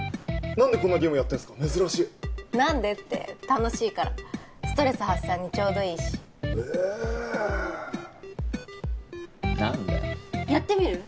何でこんなゲームやってんすか珍しい何でって楽しいからストレス発散にちょうどいいしへえ何だよやってみる？